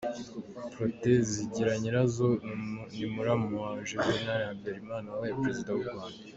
Protais Zigiranyirazo ni muramu wa Juvenal Habyarima wabaye Perezida w’u Rwanda.